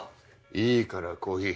いいからコーヒー。